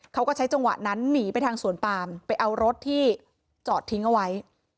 เขาก็ใช้จังหวะนั้นหนีไปทางสวนปามไปเอารถที่จอดทิ้งเอาไว้